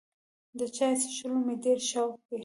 د چای څښلو مې ډېر شوق دی.